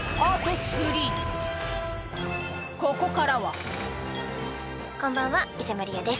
ここからはこんばんは伊瀬茉莉也です。